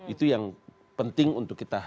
itu yang penting untuk kita